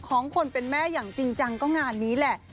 ของคนเป็นแม่อย่างจริงจังก็งานนี้แหละ